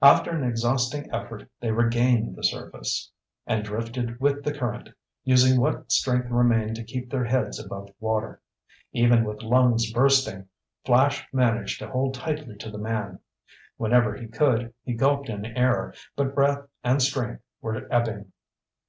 After an exhausting effort they regained the surface, and drifted with the current, using what strength remained to keep their heads above water. Even with lungs bursting, Flash managed to hold tightly to the man. Whenever he could, he gulped in air, but breath and strength were ebbing.